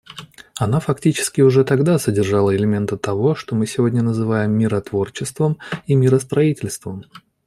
Она фактически уже тогда содержала элементы того, что мы сегодня называем «миротворчеством» и «миростроительством».